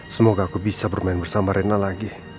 semoga aku bisa bermain bersama rena lagi